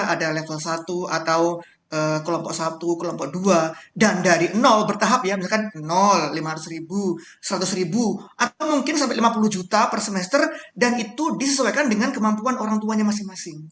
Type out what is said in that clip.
ada level satu atau kelompok satu kelompok dua dan dari nol bertahap ya misalkan lima ratus ribu seratus ribu atau mungkin sampai lima puluh juta per semester dan itu disesuaikan dengan kemampuan orang tuanya masing masing